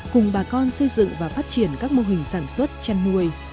cùng bà con xây dựng và phát triển các mô hình sản xuất chăn nuôi